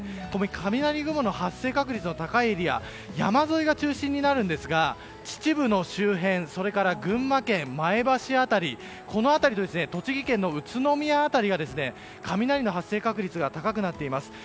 雷雲の発生確率の高いエリアは山沿いが中心になるんですが秩父の周辺、群馬県前橋辺りこの辺りと栃木県の宇都宮辺りが雷の発生確率が高くなっています。